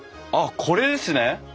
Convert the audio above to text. あっこれですね！